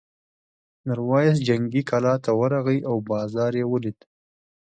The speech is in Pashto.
میرويس جنګي کلا ته ورغی او بازار یې ولید.